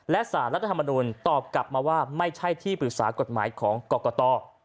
และสารรัฐธรรมนุนตอบกลับมาว่าไม่ใช่ที่ปรึกษากฎหมายของกรกต